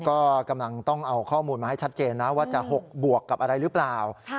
ก็กำลังต้องเอาข้อมูลมาให้ชัดเจนนะว่าจะ๖บวกกับอะไรหรือเปล่า